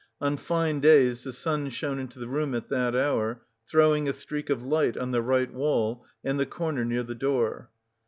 On fine days the sun shone into the room at that hour, throwing a streak of light on the right wall and the corner near the door.